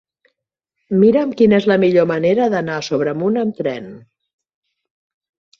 Mira'm quina és la millor manera d'anar a Sobremunt amb tren.